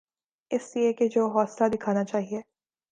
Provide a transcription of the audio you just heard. اس لئے کہ جو حوصلہ دکھانا چاہیے۔